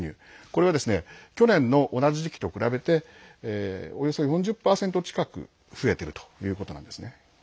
これが去年の同じ時期と比べておよそ４０％近く増えているということなんですね。